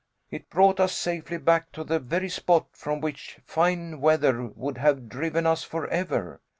It brought us safely back to the very spot from which fine weather would have driven us forever.